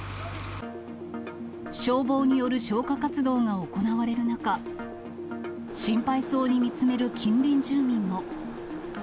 消防による消火活動が行われる中、心配そうに見つめる近隣住民も。